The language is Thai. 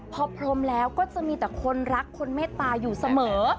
พอพรมแล้วก็จะมีแต่คนรักคนเมตตาอยู่เสมอ